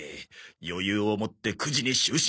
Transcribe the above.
余裕を持って９時に就寝！